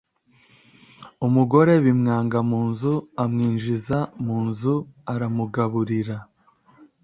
Umugore bimwanga mu nda amwinjiza mu nzu aramugaburira